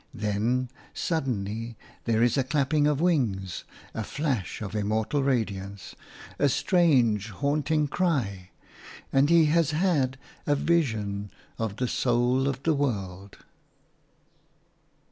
Then suddenly there is a clapping of wings, a flash of immortal radiance, a strange, haunting cry – and he has had a vision of the Soul of the World.